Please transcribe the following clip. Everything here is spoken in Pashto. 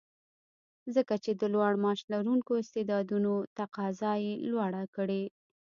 ځکه چې د لوړ معاش لرونکو استعدادونو تقاضا یې لوړه کړې